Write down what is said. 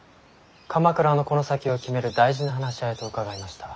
鎌倉のこの先を決める大事な話し合いと伺いました。